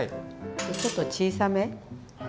ちょっと小さめ。